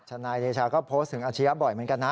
นายเดชาก็โพสต์ถึงอาชียะบ่อยเหมือนกันนะ